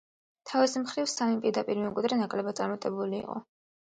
თავის მხრივ, მისი სამი პირდაპირი მემკვიდრე ნაკლებად წარმატებული იყო.